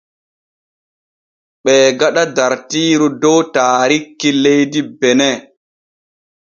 Ɓee gaɗa dartiiru dow taarikki leydi Bene.